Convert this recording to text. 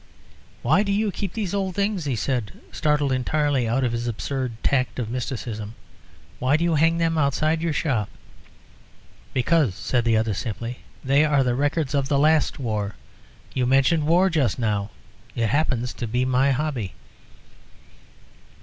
"Why do you keep these old things?" he said, startled entirely out of his absurd tact of mysticism. "Why do you hang them outside your shop?" "Because," said the other, simply, "they are the records of the last war. You mentioned war just now. It happens to be my hobby."